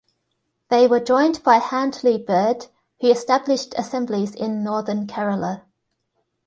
They were joined by Handley Bird, who established assemblies in Northern Kerala.